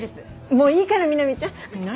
もういいからみなみちゃん。何？